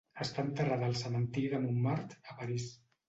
Està enterrada al cementiri de Montmartre, a París.